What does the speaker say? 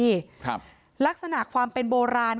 ครับลักษณะความเป็นโบราณ